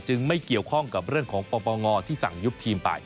ไม่เกี่ยวข้องกับเรื่องของปปงที่สั่งยุบทีมไป